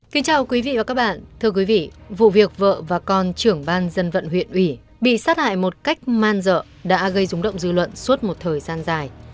xin chào quý vị và các bạn thưa quý vị vụ việc vợ và con trưởng ban dân vận huyện ủy bị sát hại một cách man dợ đã gây rúng động dư luận suốt một thời gian dài